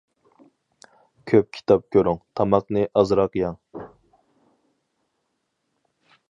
كۆپ كىتاب كۆرۈڭ، تاماقنى ئازراق يەڭ.